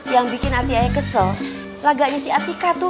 yang bikin antiaya kesel laganya si atika tuh